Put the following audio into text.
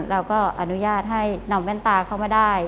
เราก็อนุญาตให้นำแว่นตาเข้ามาได้